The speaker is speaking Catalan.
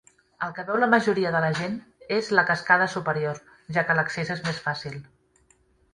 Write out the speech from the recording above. El que veu la majoria de la gent és la cascada superior, ja que l'accés és més fàcil.